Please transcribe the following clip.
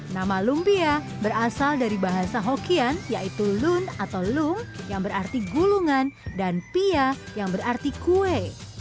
nama lumpia berasal dari bahasa hokian yaitu lun atau lung yang berarti gulungan dan pia yang berarti kue